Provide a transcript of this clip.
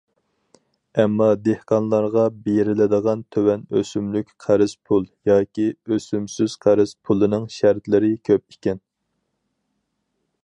ئەمما دېھقانلارغا بېرىلىدىغان تۆۋەن ئۆسۈملۈك قەرز پۇل ياكى ئۆسۈمسىز قەرز پۇلنىڭ شەرتلىرى كۆپ ئىكەن.